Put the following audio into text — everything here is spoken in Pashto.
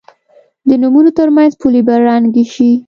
د نومونو تر منځ پولې به ړنګې شي.